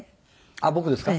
あっ僕ですか？